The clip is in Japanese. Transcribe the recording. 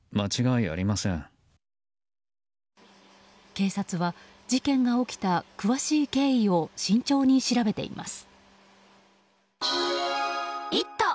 警察は、事件が起きた詳しい経緯を慎重に調べています。